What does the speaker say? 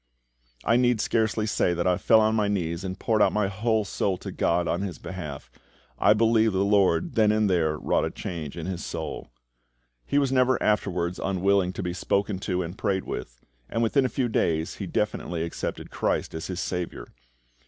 I need scarcely say that I fell on my knees and poured out my whole soul to GOD on his behalf. I believe the LORD then and there wrought a change in his soul. He was never afterwards unwilling to be spoken to and prayed with, and within a few days he definitely accepted CHRIST as his SAVIOUR.